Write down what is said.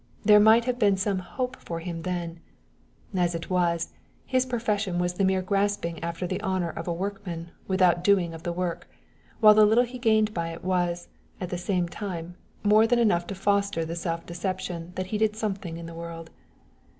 There might have been some hope for him then. As it was, his profession was the mere grasping after the honor of a workman without the doing of the work; while the little he gained by it was, at the same time, more than enough to foster the self deception that he did something in the world.